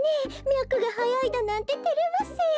みゃくがはやいだなんててれますよ。